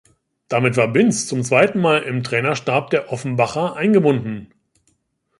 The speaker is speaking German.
Damit war Binz zum zweiten Mal im Trainerstab der Offenbacher eingebunden.